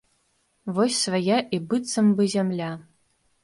Вось свая і быццам бы зямля.